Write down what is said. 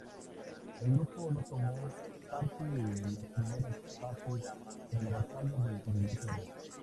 El grupo no tomó parte en las primeras fases de la Batalla de Inglaterra.